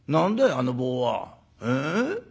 あの棒は。ええ？